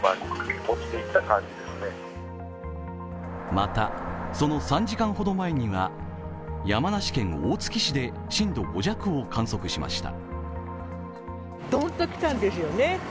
また、その３時間ほど前には山梨県大月市で震度５弱を観測しました。